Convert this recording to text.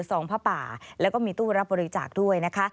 สองพระป่าและก็มีตู้รับบริจักษ์ด้วยนะคะ